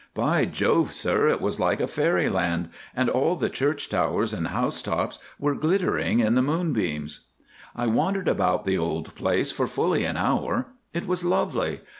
By Jove, sir, it was like fairyland, and all the church towers and house tops were glittering in the moonbeams. "I wandered about the old place for fully an hour. It was lovely.